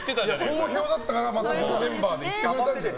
好評だったからまたこのメンバーで行ってるの。